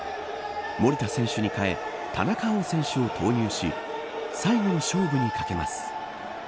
守田選手に代え田中碧選手を投入し最後の勝負にかけます。